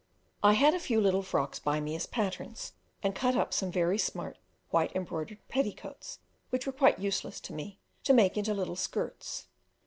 I had a few little frocks by me as patterns, and cut up some very smart white embroidered petticoats which were quite useless to me, to make into little skirts.